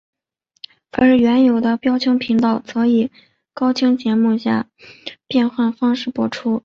而原有的标清频道则以高清节目下变换方式播出。